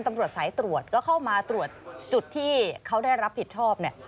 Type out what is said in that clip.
ตำรวจสายตรวจก็เข้ามาตรวจจุดที่เขาได้รับผิดชอบเนี่ย